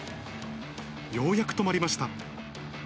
ようやく止まりました。